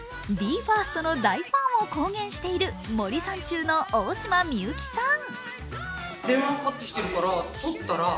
ＢＥ：ＦＩＲＳＴの大ファンを公言している森三中の大島美幸さん。